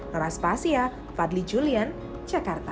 noras pasya fadli julian jakarta